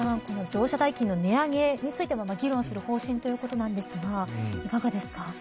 乗車の代金の値上げについても議論する方針ということですがいかがですか。